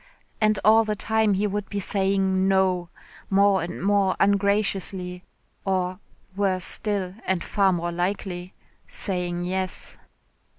And all the time he would be saying "No," more and more ungraciously, or, worse still and far more likely saying "yes."